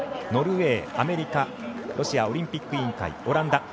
ノルウェー、アメリカロシアオリンピック委員会オランダ